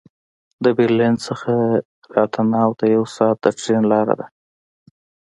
د برلین نه راتناو ته یو ساعت د ټرېن لاره ده